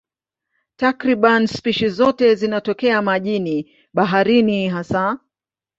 Takriban spishi zote zinatokea majini, baharini hasa.